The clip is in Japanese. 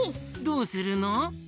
どうするの？